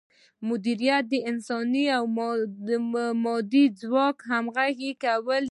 مدیریت د انساني او مادي ځواکونو همغږي کول دي.